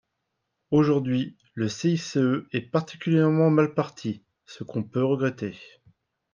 Aujourd’hui, le CICE est particulièrement mal parti, ce qu’on peut regretter.